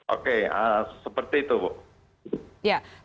oke seperti itu bu